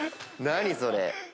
何それ？